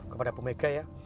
kepada bu megawati ya